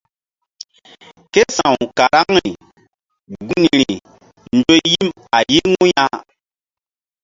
Ké sa̧w karaŋri gun ri nzo yim a yi̧ŋu ya.